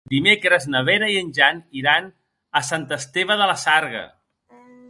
Dimecres na Vera i en Jan iran a Sant Esteve de la Sarga.